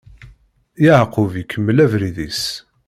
Yeɛqub ikemmel abrid-is.